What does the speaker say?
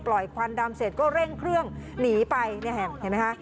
ควันดำเสร็จก็เร่งเครื่องหนีไปเนี่ยเห็นไหมคะ